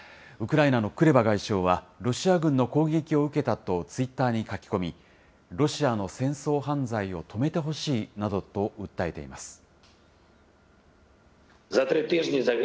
ウクライナのクレバ外相は、ロシア軍の攻撃を受けたとツイッターに書き込み、ロシアの戦争犯罪を止めてほしいなどと訴えています。